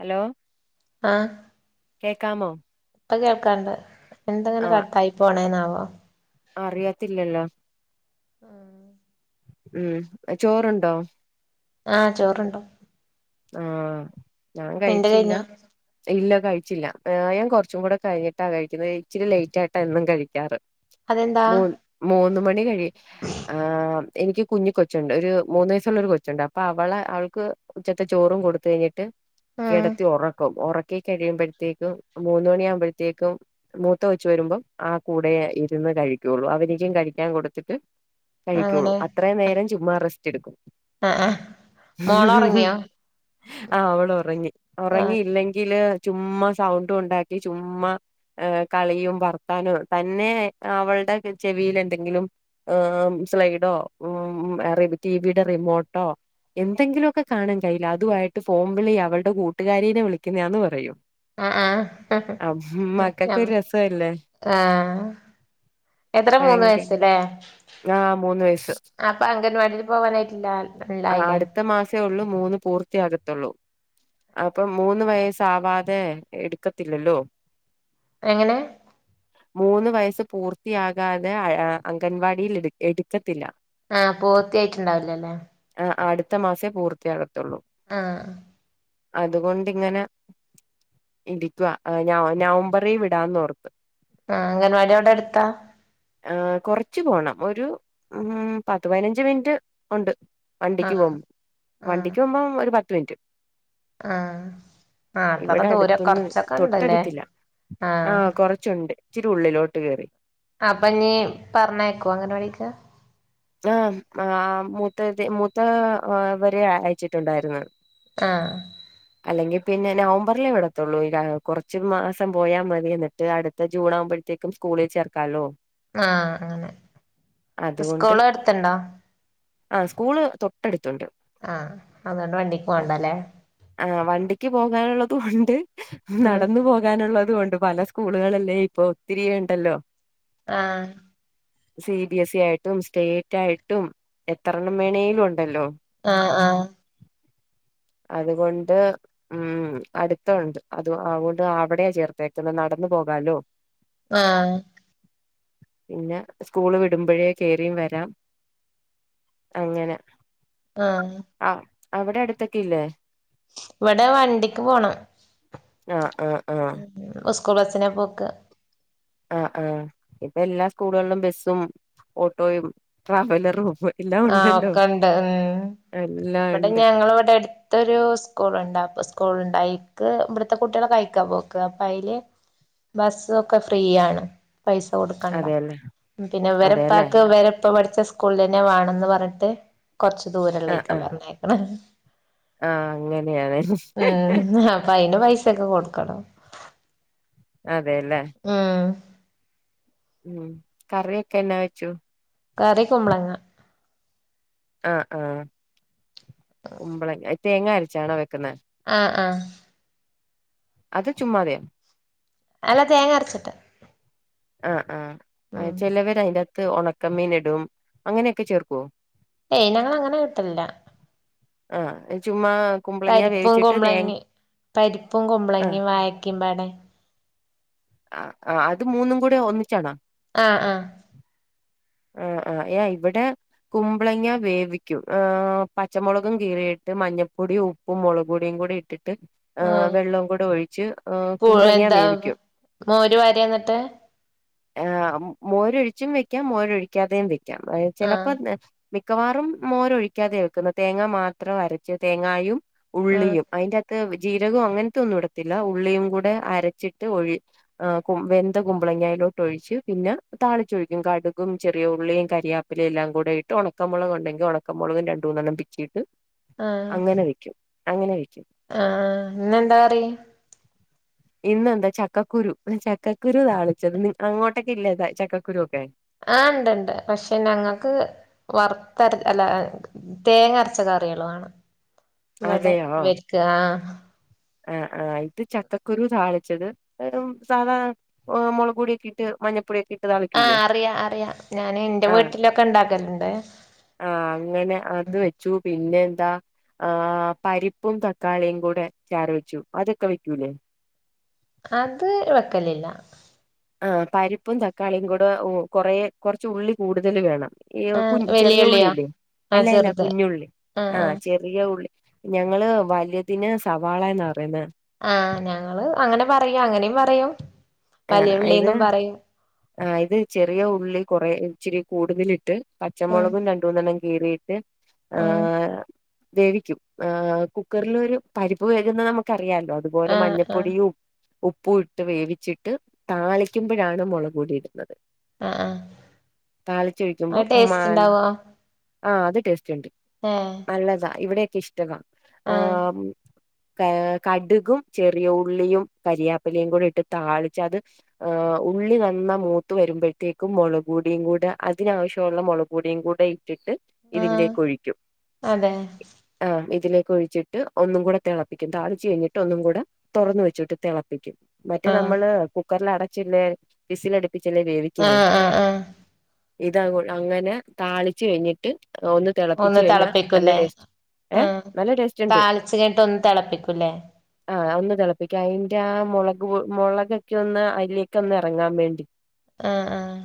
Hello ആഹ് കേക്കാമോ ഇപ്പൊ കേൾക്കാണ്ട് എന്താ ഇങ്ങനെ ആഹ് കട്ടായി പോണെന്നാവോ അറിയത്തില്ലല്ലോ ആഹ് ഉം ചോറുണ്ടോ ആഹ് ചോറുണ്ട് ആഹ് ഞാൻ നിന്റെ കഴിച്ചില്ല കഴിഞ്ഞോ ഇല്ല കഴിച്ചില്ല ഞാൻ കുറച്ചും കൂടെ കഴിഞ്ഞിട്ടാ കഴിക്കുന്നത് ഇച്ചിരി ലേറ്റ് ആയിട്ടാ എന്നും കഴിക്കാറ് അതെന്താ മൂ മൂന്ന് മണി കഴിയും ആഹ് എനിക്ക് കുഞ്ഞി കൊച്ചുണ്ട് ഒരു മൂന്ന് വയസുള്ള ഒരു കൊച്ചുണ്ട് അപ്പൊ അവളെ അവൾക്ക് ഉച്ചത്തെ ചോറും കൊടുത്ത് കഴിഞ്ഞിട്ട് ഉം കിടത്തി ഉറക്കും ഉറക്കി കഴിയുമ്പോഴത്തേക്കും മൂന്ന് മണി ആകുമ്പോഴത്തേക്കും മൂത്ത കൊച്ച് വരുമ്പം ആ കൂടെ ഇരുന്ന് കഴിക്കുള്ളൂ അവരിക്കും കഴിക്കാൻ കൊടുത്തിട്ട് കഴിക്കുള്ളൂ അങ്ങനെ അത്രയും നേരം ചുമ്മാ റെസ്റ്റ് എടുക്കും ആഹ് ആഹ് മോളൊറങ്ങിയോ ആഹ് അവള് ഉറങ്ങി ആഹ് ഉറങ്ങിയില്ലെങ്കില് ചുമ്മാ സൗണ്ടും ഉണ്ടാക്കി ചുമ്മാ കളിയും വർത്താനവ തന്നെ അവളുടെ ചെവിയിൽ എന്തെങ്കിലും സ്ലൈഡോ [unintelligible] ടിവിയുടെ റിമോട്ടോ എന്തെങ്കിലു ഒക്കെ കാണും കയ്യില് അതുവായിട്ട് ഫോൺ വിളി അവളുടെ കൂട്ടുകാരിനെ വിളിക്കുന്നെയാന്ന് പറയും ആഹ് ആഹ് മക്കൾക്ക് ആഹ് ഒരു രസമല്ലേ എത്ര മൂന്ന് ഭയങ്കര വയസ്സ്ല്ലേ ആഹ് മൂന്ന് വയസ്സ് അപ്പൊ അംഗൻവാടിയില് പോവാനായിട്ടില്ല ഉണ്ടായില്ലേ ത്തെ ഉള്ളൂ മൂന്ന് പൂർത്തിയാകത്തുള്ളൂ അപ്പൊ മൂന്ന് വയസ്സാവാതെ എടുക്കത്തില്ലല്ലോ എങ്ങനെ [inaudible] മൂന്ന് വയസ്സ് പൂർത്തിയാകാതെ അംഗൻവാടിയിൽ എടു എടുക്കത്തില്ല ആഹ് പൂർത്തിയായിട്ടുണ്ടാവില്ല അല്ലേ ആഹ് അടുത്ത മാസമേ പൂർത്തിയാകത്തുള്ളൂ ആഹ് അതുകൊണ്ടിങ്ങനെ ഇരിക്കുവാ നവം നവംബറി വിടാന്ന് ഓർത്ത് ആഹ് അംഗൻവാടി അവിടെ അടുത്താ ആഹ് കുറച്ച് പോണം ഒരു പത്ത് പതിനഞ്ച് മിനിറ്റ് ഉണ്ട് വണ്ടിക്ക് ആഹ് പോകും ആഹ് വണ്ടിക്ക് പോകുമ്പം ഒരു പത്ത് മിനിറ്റ് ആഹ് ആഹ് അത്ര ഇവിടെ ദൂരം അടുത്തൊന്നും കൊറച്ചൊക്കെ ഇണ്ടല്ലേ തൊട്ടടുത്തില്ല ആഹ് ആഹ കൊറച്ച് ചൊണ്ട് ഇച്ചിരി ഉള്ളിലോട്ട് കേറി അപ്പൊ നീ പറഞ്ഞേക്കോ അങ്ങനെ വേടിക്ക ആ ആ മൂത്ത മൂത്ത വരെ അയച്ചിട്ടുണ്ടായിരുന്നു ആ അല്ലെങ്കിൽ പിന്നെ നവംബറിലെ വിടത്തുള്ളൂ കുറച്ച്മാസം പോയാൽ മതി എന്നിട്ട് അടുത്ത് ത്ത ജൂൺ ആകുമ്പോഴത്തേക്കും സ്കൂളിൽ ചേർക്കാലോ ആഹ അങ്ങനെ അതുകൊണ്ട് സ്കൂള് അടുത്ത്ണ്ടോ ആ സ്കൂള് തൊട്ടടുത്തുണ്ട് ആഹ് അതുകൊണ്ട് വണ്ടിക്ക് അ- പോകണ്ടല്ലേ ആ വണ്ടിക്ക് പോകാനുള്ളത്കൊണ്ട് ഉം നടന്നു പോക കാനുള്ളതും ഉണ്ട് പല സ്കൂളുകളല്ലേ ഇപ്പൊ ഒത്തിരിയ ഉണ്ടല്ലോ ആഹ് സി ബി എസ് ഇ ആയിട്ടും സ്റ്റേറ്റ് ആയിട്ടും എത്രണ്ണം വേണെലും ഉണ്ടല്ലോ ആഹ ആഹ അതുകൊണ്ട് ഉം അടുത്ത ഉണ്ട് അത് അതുകൊണ്ട് അവിടെയാ ചേർത്തേക്കണെ നടന്നു പോകാലോ ആ പിന്നെ സ്കൂള് വിടുമ്പോഴേ കയറിയും വരാം അങ്ങനെ ആഹ ആ അവിടെ അടുത്തൊക്കെ ഇല്ലേ ഇവിടെ വണ്ടിക്ക് പോണം ആഹ് ആഹ് ആഹ് സ്കൂൾ ബസ്സിനെ പോക്ക് ആ ആ ഇപ്പ എല്ലാ സ്കൂളുകളിലും ബസ്സും ഓട്ടോയും ട്രാവലറും എല്ലാം ആഹ് ഉണ്ടല്ലോ ഒക്കെ ഉണ്ട് ഉം എല്ലാം ഇവിടെ ഉണ്ട് ഞങ്ങളവിടെ ത്തൊരു സ്കൂളുണ്ട് അപ്പോസ്കൂളുണ്ട്ക്ക് ഇവിടുത്തെ കുട്ടികള അയിക്കാ പോക്ക് അപ്പൊ അതില് ബസ്സൊക്കെ ഫ്രീയാണ് പൈസ കൊടുക്കണ്ട അതെല്ലേ പിന്നെ അതെല്ലേ വരെപ്പാക്ക് വരെപ്പ പഠിച്ച സ്കൂള പിന്നെ വേണന്ന് പറഞ്ഞിട്ട് കൊറച്ച് ദൂരംള്ളയ്ക്കാ പറഞ്ഞേക്കണ ആഹ അങ്ങനെയാണ അപ്പ അയിന് പൈസൊക്കെ കൊടുക്കണം അതെയല്ലേ ഉം ഉം കറിയൊക്കെ എന്നാ വെച്ചു കറി കുമ്പളങ്ങ ആഹ ആഹ കുമ്പളങ്ങ തേങ്ങ അരച്ചാണോ വെക്കുന്നത് ആ ആഹ അത് ചുമ്മാതെയൊ അല്ല തേങ്ങ അരച്ചിട്ട് ആഹ് ഉം ആഹ് ചിലവര് അതിൻ്റകത്ത് ഒണക്ക മീൻ ഇടും അങ്ങനൊക്കെ ചേർക്കുവോ ഏയ് ഞങ്ങൾ അങ്ങനെ കിട്ടല്ലില്ല ആഹ് എ ചുമ്മാ കുമ്പളങ്ങ പരിപ്പും വേവിച്ചിട്ട് തേ കൊമ്പളങ്ങി പരിപ്പും ആഹ് കുമ്പളങ്ങിം വായക്കീംപാടെ ആ ആഹ് അത് മൂന്നും കൂടെ ഒന്നിച്ചാണോ ആഹ് ആഹ് ആഹ് ആഹ് യ ഇവിടെ കുമ്പളങ്ങ വേവിക്കും എഹ് പച്ചമുളകും കീറിയിട്ട് മഞ്ഞൾപ്പൊടി ഉ പ്പും മുളക് പൊടിയും കൂടി ഇട്ടിട്ട് എഹ് ആഹ് വെള്ളം കൂടി ഒഴിച്ച് പു കുമ്പളങ്ങ എന്താ വേവിക്കും മോര് പാര്യ എന്നിട്ട് ആഹ് മോരൊഴിച്ചും വെക്കാം മോരൊഴിക്കാതെയും വെക്കാം അയ് ആഹ് ചെലപ്പോ നേ മിക്കവാറും മോര് ഒഴിക്കാതെ വെക്കുന്നെ തേങ്ങ മാത്രം അരച്ച് തേങ്ങായും ആഹ് ഉള്ളിയും അയിന്റെ അത്ത് ജീരകും അങ്ങനത്തെ ഒന്നും ഇടത്തില്ല ഉള്ളിയും കൂടെ അരച്ചിട്ട് ഒഴി ആഹ് കു വെന്ത കുമ്പളങ്ങയിലോട്ട് ഒഴിച്ച് പിന്നെ താളിച്ചൊഴിക്കും കടുകും ചെറിയ ഉള്ളിയും കരിയാ പ്പില എല്ലാം കൂടെയിട്ട് ഒണക്കമൊള ക് ഉണ്ടെിൽ ഉണക്കമൊളകും രണ്ടുന്നെണ്ണം പിച്ചിട്ട് ആഹ് അങ്ങനെ വെക്കും അങ്ങനെ വെക്കും ആഹ് ഇന്നെന്താ കറി ഇന്നെന്താ ചക്കക്കുരു ചക്കക്കുരു താളിച്ചത് അങ്ങോട്ടൊക്കെ ഇല്ലത ചക്കക്കുരു ഒക്കെ ആഹ് ഇണ്ട്ണ്ട് പക്ഷെ ഞങ്ങൾക്ക് വർത്തര അല്ല തേങ്ങരച്ച കറികളു വേണം വടെ അതെയോ ഇവർക്ക് ആഹ് ആഹ് ആഹ് ഇത് ചക്കക്കുരു താളിച്ചത് വെറും സാധാ എഹ് മുളകൊടിക്കെ ഇട്ട് മഞ്ഞപ്പൊടി ഒക്കെ ഇ ആഹ് അറിയ അറിയാം ഞാന് ഇന്റെ ആഹ് വീട്ടിലൊക്കെ ഇണ്ടാക്കലുണ്ട് ആഹ് അങ്ങനെ അത് വെച്ചു പിന്നെ എന്താ ആഹ് പരിപ്പും തക്കാളിം കൂടെ ചാറ് വെച്ചു അതൊക്കെ വെക്കൂല്ലേ അത് വെക്കലില്ല ആഹ് പരിപ്പും തക്കാളിം കൂടെ കൊറെ കൊറച്ച് ഉള്ളി കൂടുതല് വേണം ഈ കു ആഹ് ചെറിയ വലിയുള്ളിയോ ഉള്ളില്ലേ ആഹ് അല്ല അല്ല ചെറുത് കുഞ്ഞുള്ളി ആഹ് ചെ റിയ ഉള്ളി ഞങ്ങള് വല്തിന് സവാളന്ന പറയുന്നത് ആഹ് ഞങ്ങള് അങ്ങനെ പറയാ അങ്ങനിം പറയും ആഹ് വലിയ ഇത് ഉള്ളീന്നും പറയും ആഹ് ഇത് ചെറിയ ഉള്ളി കുറെ ഇച്ചിരി കൂടുതലിട്ട് ഉം പച്ചമൊളകും രണ്ടൂന്നെണ്ണം കീറിയിട്ട് ഉം ആഹ് വേവിക്കും എഹ് കുക്കറിൽ ഒരു പരിപ്പ് വേകുന്നത് നമുക്ക് അറിയാലോ അതുപോലെ ആഹ് ആഹ് മഞ്ഞപ്പൊടിയും ഉപ്പും ഇട്ട് വേവിച്ചി ട്ട് താളിക്കുമ്പോഴാണ് മൊളക് പൊടി ഇടുന്നത് ആഹ് ആഹ് താളിച്ചൊഴിക്കുമ്പോ അത് ടേസ്റ്റ് ഉമാൻ ഉണ്ടാവോ ആഹ് അത് ടേസ്റ്റ് ഇണ്ട് ഏഹ് ഇള്ളതാ ഇവിടെക്കെ ഇഷ്ടകാ ആഹ് എഹ് ഏ കടുകും ചെറിയ ഉള്ളിയും കരിയാപ്പിലയും കൂടി ഇട്ട് താളിച്ച് അത് എ് ഉള്ളി നന്ന മൂത്ത് വരുമ്പോഴത്തേക്കും മൊളകൊടിയും കൂടെ അതിനാവശ്യമുള്ള മൊളക് കുടിയും കൂടെ ഇട്ടിട്ട് ആഹ് ഇതിലേക്ക് ഒഴിക്കും അതെ ആഹ് ഇതിലേക്ക് ഒഴിച്ചിട്ട് ഒന്നും കൂടെ തെളപ്പിക്കും താളിച്ചു കഴിഞ്ഞിട്ട് ഒന്നും കൂടെ തൊറന്ന് വെച്ചിട്ട് തെളപ്പിക്കും മറ്റേ ആഹ് നമ്മള് കുക്കറിൽ അടച്ചന്നേ വിസിലടിപ്പിച്ചന്നേ വേവി ആഹ് ആഹ് ആഹ് ഇതാ അങ്ങോ അങ്ങനെ താളിച്ച് കഴിഞ്ഞിട്ട് എഹ് ഒന്ന് തെളപ്പിച്ചു കഴിഞ്ഞാ നല്ല ടേസ്റ്റ് ഏഹ് ആഹ് നല്ല ടേസ്റ്റ് ഇണ്ട് താളിച്ച് കഴിഞ്ഞിട്ട് ഒന്ന് തിളപ്പിക്കൂല്ലേ ആഹ് ഒന്ന് തെളപ്പിക്കാ അയിന്റെ ആ മൊളകു മോളകൊക്കെ ഒന്ന് അയ്ല്കൊന്ന് ഒന്ന് എറങ്ങാൻ വേണ്ടി ആഹ് ആഹ്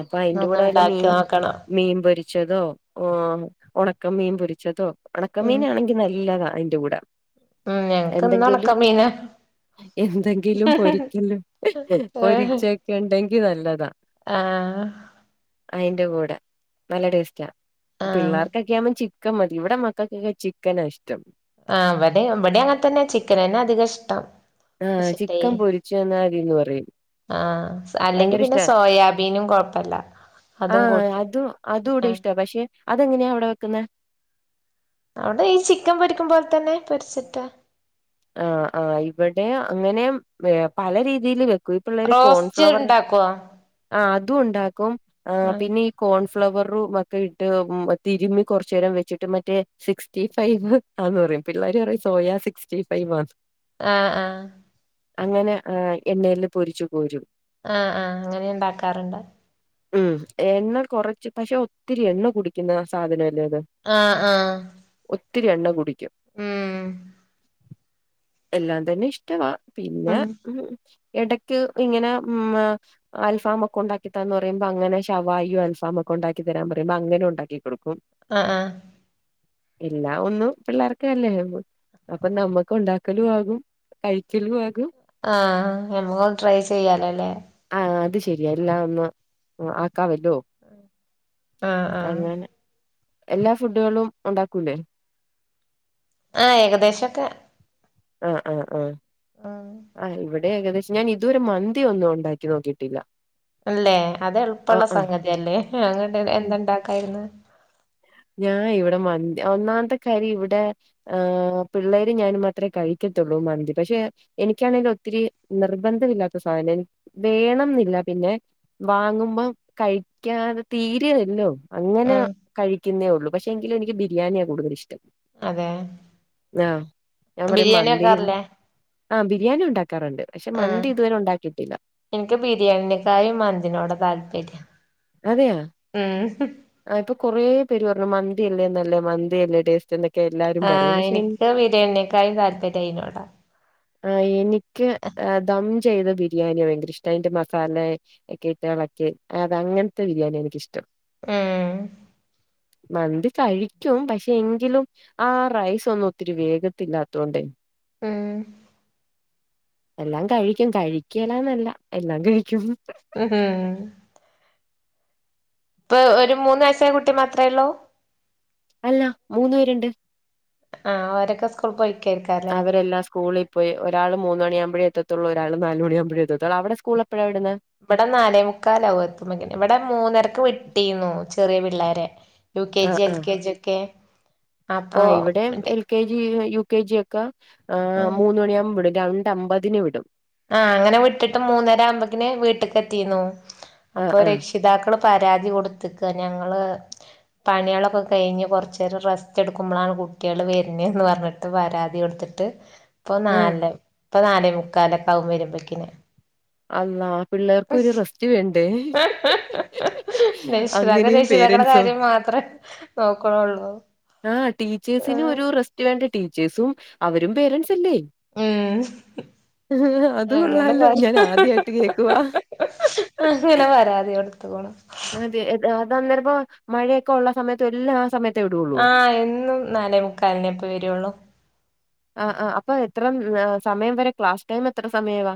അപ്പൊ അയിന്റെ ഒന്ന് കൂടെ വല്ല ഉണ്ടാക്കി മീൻ നോക്കണം മീൻ പൊരി ച്ചതോ ഒണക്കമീൻ പൊരിച്ചതോ ഉം ഒണക്കമീനാണെങ്കി നല്ലതാ അയിന്റെ കൂടെ ഉം ഞങ്ങക്ക് ഇന്ന് എന്തെങ്കിലും ഉണക്കമീനാ എന്തെങ്കിലും പൊരി ക്കലും പൊരിച്ചൊക്കെണ്ടെങ്കി നല്ലതാ ആഹ് അയ്ന്റെ കൂടെ നല്ല ടേസ്റ്റാ ആഹ് പിള്ളേർക്കൊക്കെ ആവുമ്പ ചി ചിക്കൻ മതി ഇവിടെ മക്കക്കൊക്കെ ചിക്കനാ ഇഷ്ടം ആഹ് അവിടെ ഇവിടെ അങ്ങനെ തന്നെ ചിക്കന് തന്നെ അധികം ഇഷ്ടം പക്ഷേ ടേ ചനാരി എന്ന് പറയും ആഹ് അല്ലെങ്കി ഭയങ്കര പിന്നെ ഇഷ്ടാ സോയാബീനും കൊഴപ്പല്ല്യ ആഹ് അതും അതും കൂടെ ഇഷ്ട പക്ഷേ അതെങ്ങനെയാ അവിടെ വെക്കുന്ന അത്‌ ഈ ചിക്കൻ പൊരിക്കും പോലെ തന്നെ പൊരിച്ചിട്ടാ ആഹ് ആഹ് ഇവിടെ അങ്ങനെ പല രീതിയിയില് [unintelligible] റോസ്റ്റ് കോൺഫ്ലവറ് ഉണ്ടാക്കോ ആ അതും ഉണ്ടാക്കും ആ ആഹ് പിന്നെ ഈ കോൺഫ്ലവറും ഒക്കെ ഇട്ട് തിരുമ്മി കുറച്ചു നേരം വെച്ചിട്ട് മറ്റേ സിക്സ്റ്റി ഫൈവ് ആന്ന് പറയും പിള്ളേര് പറയും സോയാ സിക്സ്റ്റി ഫൈവ് ആന്ന് ആഹ് ആഹ് അങ്ങനെ ആഹ് എണ്ണയിൽ പൊരിച്ചു കോരും ആഹ് ആഹ് അങ്ങനെ ഉണ്ടാക്കാറുണ്ട് ഉം എണ്ണ കുറച്ച് പക്ഷേ ഒത്തിരി എണ്ണ കുടിക്കുന്ന സാധനല്ലേ അത് ആഹ് ആഹ് ഒത്തിരി എണ്ണ കുടിക്കും ഉം എല്ലാം തന്നെ ഇഷ്ടവാ പിന്നെ ഉം എടക്ക് ഇങ്ങനെ ഉം. മ അൽഫാമ് ഒക്കെ ഉണ്ടാക്കിത്താ എന്ന് പറയുമ്പോ അങ്ങനെ ഷവായും അൽഫായൊക്കെ ഉണ്ടാക്കി തരാൻ പറയ്പോ അങ്ങനെ ഉണ്ടാക്കി കൊടുക്കും ആഹ് ആഹ് ഇല്ലാ ഒന്ന് പിള്ളേർക്ക് അല്ലേ അപ്പൊ നമ്മുക്ക് ഉണ്ടാക്കലും ആകും കഴിക്കലും ആകും ആഹ് ഞമ്മക്കൊന്ന് ട്രൈ ചെയ്യാലോല്ലേ ആഹ് അത് ശരിയാ എല്ലാം ഒന്ന് ആക്കമല്ലോ ആഹ് ആഹ് എല്ലാ ഫുഡുകളും ഉണ്ടാക്കൂലേ ആഹ് ഏകദേശൊക്കെ ആഹ് ആഹ് ആഹ് ആഹ് ആഹ് ഇവിടെ ഏകദേശം ഞാൻ ഇത് വരെ മന്തിയ ഒന്നും ഉണ്ടാക്കി നോക്കിയിട്ടില്ല ഇല്ലേ അത് എളുപ്പള്ള ആഹ് ആഹ് സംഗതിയല്ലേ അങ്ങോട്ട് എന്തുണ്ടാക്കായിരുന്ന് ഞാൻ ഇവിടെ മന്തി ഒന്നാമത്തെ കാര്യം ഇവിടെ ആഹ് പിള്ളേര് ഞാനും മാത്രമേ കഴിക്കത്തുള്ളൂ മന്തി പക്ഷേ എനിക്കാണെങ്കും ഒത്തിരി നിർബന്ധമില്ലാത്ത സാധനം വേണം എന്നില്ല പിന്നെ വാങ്ങുമ്പോ കഴിക്കാതെ തീരേല്ലോ അങ്ങനെ ഉം കഴിക്കുന്നേ ഉള്ളൂ പക്ഷേ എങ്കിലും എനിക്ക് ബിരിയാണിയാ കൂടുതല് ഇഷ്ടം അതെ ആഹ് ഞാൻ പറയും ബിരിയാണി മന്തിണ്ട് വെക്കാറില്ലേ ആഹ് ബിരിയാണി ഉണ്ടാക്കാറുണ്ട് പക്ഷേ ആഹ് മന്തി ഇതുവരെ ഉണ്ടാക്കിയിട്ടില്ല എനിക്ക് ബിരിയാണിയെകാളും മന്തിനോട് താല്പര്യം അതെയോ ഉം ആഹ് ഇപ്പം കൊറെ പേര് പറഞ്ഞു മന്തിയല്ലേ നല്ലത് മന്തിയല്ലേ ടേസ്റ്റ് എല്ലാരും പറയും. ആഹ് പക്ഷെ എനി എനിക്ക് ബിരിയാണിയക്കായും താല്പര്യം അയിനോടാ ആഹ് എനിക്ക് ദം ചെയ്ത ബിരിയാണിയ ഭയങ്കര ഇഷ്ട അയ്ന്റെ മസാല കെട്ട ഇളക്കി അത് അങ്ങനത്തെ ബിരിയാണി എനിക്കിഷ്ടം ആഹ് മന്തി കഴിക്കും പക്ഷെ എങ്കിലും ആ റൈസ് ഒന്നും ഒത്തിരി വേഗത്തില്ലാത്ത കൊണ്ടേ ഉം എല്ലാം കഴിക്കും കഴിക്കേലന്നല്ല എല്ലാം കഴിക്കും ഉം പ്പെ ഒരു മൂന്ന് വയസായ കുട്ടി മാത്രേള്ളൂ അല്ല മൂന്ന് പേരുണ്ട് ആഹ് ഓരൊക്കെ സ് പൊയ്‌ക്കെകാരം അവരെല്ലാം സ്കൂളി പ്പൊ ഒരാള് മൂന്നണിയാകുമ്പോഴേ എത്ത ത്തുള്ളൂ ഒരാള് നാല് മണിയാകുമ്പഴേ എത്തത്തുള്ളൂ അവിടെ സ്കൂളപ്പോഴാ വിടുന്നെ? വിടെ നാലേ മുക്കാലാവു എത്തുമ്പക്കെന്നെ ഇവിടെ മൂന്നരക്ക് വി ട്ടീന്നു ചെറിയ പിള്ളേരെ യു കെ ആഹ് ജി എൽ ആഹ് കെ ജി ഒക്കെ അപ്പൊ ആഹ് ഇവിടെ മറ്റേ L K G U K G ഒക്കെ ആഹ് മൂന്ന് മണിയാവുമ്പ വിട രണ്ടമ്പതിന് വിടും ആഹ് അങ്ങനെ വിട്ടിട്ട് മൂന്നേര ആകു മ്പക്കിന് വീട്ടിക്ക് എത്തിന്നു ആഹ് അപ്പൊ ആഹ് രക്ഷി ക്ഷിതാക്കള് പരാതി കൊടുത്ത്ക്ക ഞങ്ങള് പണികളൊക്കെ കഴിഞ്ഞ് കൊറച്ചേരം റെസ്റ്റ് എടുക്കുമ്പോളാണ് കുട്ടികൾ വരണെ ന്ന് പറഞ്ഞിട്ട് പരാതി കൊടുത്തിട്ട് ഇപ്പൊ ആഹ് നാല് ഇപ്പൊ നാലെ മുക്കാലൊക്കാ വും വരുമ്പോക്കിനെ അള്ളാ പിള്ളേർക്കൊരു റെസ്റ്റ് വേണ്ടേ രക്ഷിതാക്കെ അങ്ങനെയും രക്ഷിതാക്കളുടെ പേരന്റ്സോ? കാര്യം മാത്രേ നോക്കണുള്ളൂ ആഹ് ടീച്ചേഴസിനും ഒരു റെസ്റ്റ് വേണ്ടെ ടീച്ചേഴ്സും അവരും പേരൻസെല്ലേ ഉം അത് അങ്ങനെ കൊള്ളാലോ പരാ ഞാൻ ആദ് ദ്യയിട്ട് കേക്കുവാ അങ്ങനെ പരാതി കൊടുത്തുക്കുണു അതെ അത് അന്നേരപ്പൊ മഴയൊക്കെ ഒള്ള സമയത്തു എല്ലാ ആ സമയത്ത് ആഹ് എന്നും നാലേ മുക്കാലിനെപ്പൊ വരുള്ളൂ ആഹ് ആഹ് അപ്പൊ എത്ര സമയം വരെ ക്ലാസ് ടൈം എത്ര സമയവാ?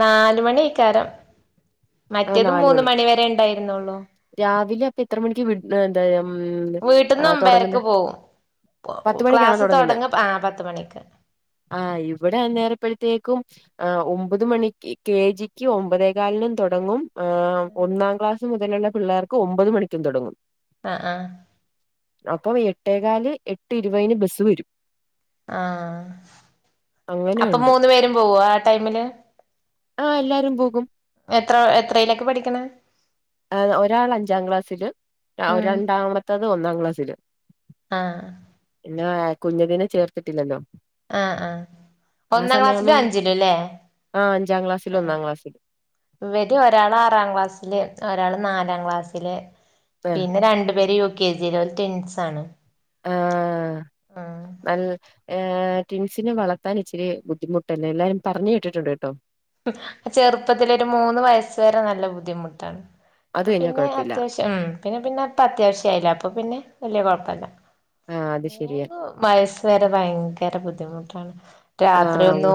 നാല മണിക്കാരം മറ്റേത് മൂന്ന് മണി വരെ ഇണ്ടായിരുന്നുള്ളൂ രാവിലെ അപ്പൊ എത്ര മണിക്ക് വി തം തൊടങ്ങുന്ന് ക്ലാസ്സ് തുടങ്ങ ആ പത്ത് മണിക്ക് ആഹ് ഇവിടെ അന്നേരപ്പഴത്തേക്കും ആഹ് ഒമ്പത് മണിക്ക് കെ ജിക്ക് ഒമ്പതേ കാലിനും തൊടങ്ങും ആ ഒന്നാം ക്ലാസ് മുതലുള്ള പിള്ളേർക്ക് ഒമ്പത് മണിക്കും തൊടങ്ങും ആഹ് ആഹ് അപ്പൊ എട്ടേകാല് എട്ട് ഇരുപതിന് ബസ്സ് വരും ആഹ് അപ്പൊ അങ്ങനെയുണ്ട് മൂന്ന് പേരും പോവോ ആ ടൈമില്? ആഹ് എല്ലാരും പോകും എത്ര എത്രയിലെക്കെ പഠിക്കെണെ? ഏഹ് ഒരാള് അഞ്ചാം ക്ലാസ്സില് ഉം രണ്ടാമത്തത് ഒന്നാം ക്ലാസ്സില് ആഹ് പിന്നാ കുഞ്ഞതിന ചേർത്തിട്ടില്ലല്ലോ ആഹ് ആഹ് ആ ഒന്നാം ക്ലാസ്സിലും സമയാവുമ്പം അഞ്ചിലു ല്ലേ ആഹ് അഞ്ചാം ക്ലാസ്സിലും ആഹ് ഒന്നാം ക്ലാസ്സിലും ഇവര് ഒരാളാറാം ക്ലാസ്സില് ഒരാള് നാലാം ക്ലാസ്സില് ആഹ് പിന്നെ രണ്ടു പേര് യു കെ ജിയില് ഓര് ടി ൻസ് ആണ് ആഹ് ഉം നൽ ഏഹ് ടിൻസിനെ വളർത്താൻ ഇച്ചിരി ബുദ്ധിമുട്ടല്ലെ എല്ലാരും പറഞ്ഞ് കേട്ടിട്ടുണ്ട് കേട്ടോ ചെറുപ്പത്തിലൊരു മൂന്ന് വയസ്സ് വരെ നല്ല ബുദ്ധിമുട്ടാണ് അത് അപ്പൊ കഴിഞ്ഞാ പിന്നെ കൊഴപ്പില്ല അത്യാവശ്യം ആ പിന്നെ പിന്നെ അപ്പ അത്യാവശ്യയില്ലെ അപ്പൊ പിന്നെ വല്യ കുഴപ്പല്ല ആഹ് അത് ശെരിയാ മൂന്ന് വയസ് വരെ ഭയങ്കര ബുദ്ധിമുട്ടാണ് രാത്രി ആഹ് ഒന്നു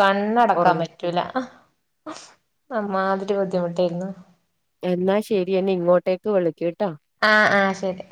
കണ്ണടക്കാൻ ഉറങ്ങ പറ്റ റ്റുല അമാതിരി ബുദ്ധിമുട്ടായിരുന്നു എന്നാ ശെരി എന്നെ ഇങ്ങോട്ടേക്ക് വിളിക്കുട്ടോ ആഹ് ആഹ് ശരി